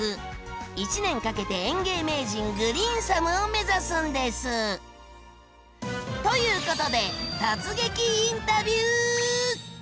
１年かけて園芸名人「グリーンサム」を目指すんです！ということで突撃インタビュー！